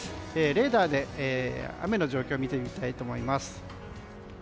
レーダーで雨の状況見てみたいと思います。